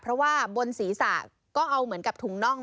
เพราะว่าบนศีรษะก็เอาเหมือนกับถุงน่อง